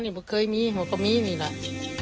นี่เคยมีมันก็มีนี่แหละ